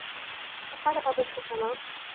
وَقَالَ بَعْضُ الْحُكَمَاءِ